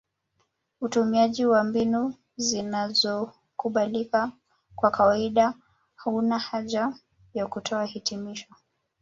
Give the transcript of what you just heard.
Utumiaji wa mbinu zinazokubalika kwa kawaida hauna haja ya kutoa hitimisho